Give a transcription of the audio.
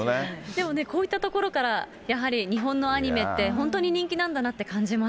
でもね、こういったところからやはり日本のアニメって、本当に人気なんだなって感じます。